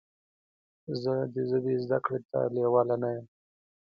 زه د ژبې زده کړې ته لیواله نه یم.